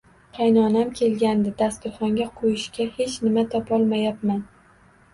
Qaynonam kelgandi, dasturxonga qo`yishga hech nima topolmayapman